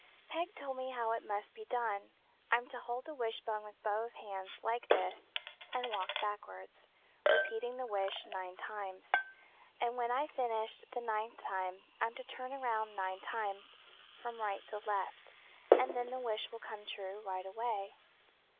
"Peg told me how it must be done. I'm to hold the wishbone with both hands, like this, and walk backward, repeating the wish nine times. And when I've finished the ninth time I'm to turn around nine times, from right to left, and then the wish will come true right away."